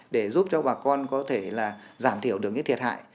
để giúp cho bà con có thể là giảm thiểu được cái thiệt hại